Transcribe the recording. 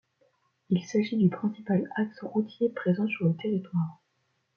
Il s'agit du principal axe routier présent sur le territoire.